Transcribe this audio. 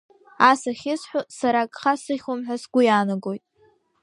Ас ахьысҳәо сара агха сыхьуам ҳәа сгәы иаанагоит…